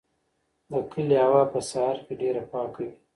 د کلي هوا په سهار کې ډېره پاکه وي.